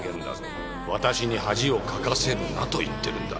私に恥をかかせるなと言ってるんだ！